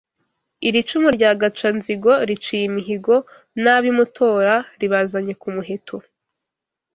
Iri cumu rya Gacanzigo riciye imihigo N'ab'i Mutora ribazanye ku muheto